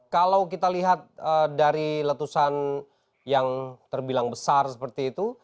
kalau kita lihat dari letusan yang terbilang besar seperti itu